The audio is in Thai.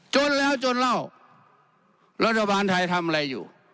จนแล้วจนเล่ารัฐบาลไทยทำอะไรอยู่